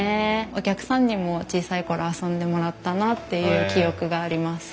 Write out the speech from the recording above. お客さんにも小さい頃遊んでもらったなっていう記憶があります。